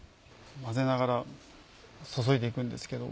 混ぜながら注いで行くんですけど。